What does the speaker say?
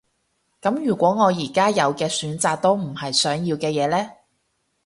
噉如果我而家有嘅選擇都唔係想要嘅嘢呢？